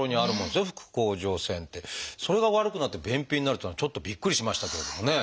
それが悪くなって便秘になるっていうのはちょっとびっくりしましたけれどもね。